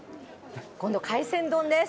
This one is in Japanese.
今度海鮮丼です。